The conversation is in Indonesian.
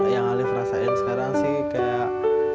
yang alif rasain sekarang sih kayak